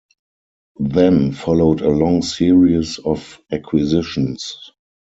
Then followed a long series of acquisitions.